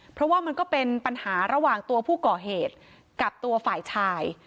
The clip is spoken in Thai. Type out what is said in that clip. เพราะว่ามันก็เป็นปัญหาระหว่างตัวผู้ก่อเหตุกับตัวฝ่ายชาย